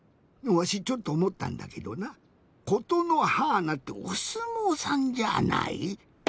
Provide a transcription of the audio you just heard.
わしちょっとおもったんだけどな「ことのはーな」っておすもうさんじゃあない？